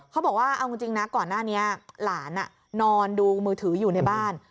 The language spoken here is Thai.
เขาบอกว่าเอาจริงนะก่อนหน้านี้หลานนอนดูมือถืออยู่ในบ้าน